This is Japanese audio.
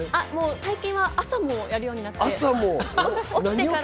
最近は朝もやるようになって、起きてから。